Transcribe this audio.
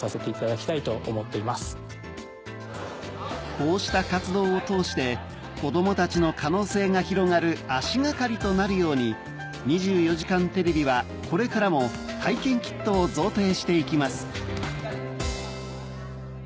こうした活動を通して子供たちの可能性が広がる足掛かりとなるように『２４時間テレビ』はこれからも体験キットを贈呈していきます